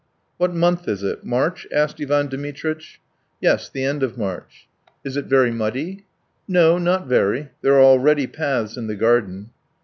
"What month is it? March?" asked Ivan Dmitritch. "Yes, the end of March." "Is it very muddy?" "No, not very. There are already paths in the garden."